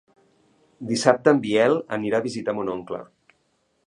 Dissabte en Biel anirà a visitar mon oncle.